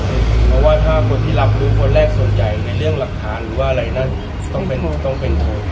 เพราะว่าถ้าคนที่รับรู้คนแรกส่วนใหญ่ในเรื่องหลักฐานต้องเป็นโทน